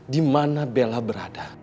di mana bella berada